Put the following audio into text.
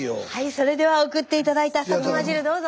それでは送って頂いたさつま汁どうぞ！